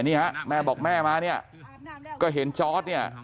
นี่ฮะแม่บอกแม่มาเนี่ยก็เห็นจอร์ดเนี่ย